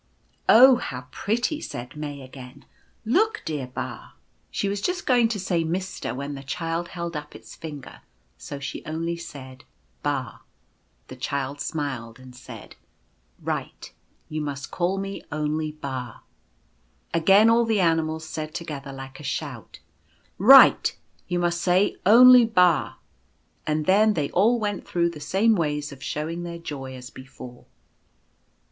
" Oh, how pretty! " said May again, " look, dear Ba !" 1 88 When Peace will come. She was just going to say Mister when the Child held up its finger, so she only said " Ba." The Child smiled and said :" Right, you must call me only Ba." Again all the animals said together like a shout :" Right, you must say only Ba," and then they all went through the same ways of showing their joy as be fore.